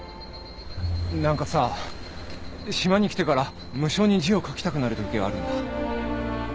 何かさ島に来てから無性に字を書きたくなるときがあるんだ。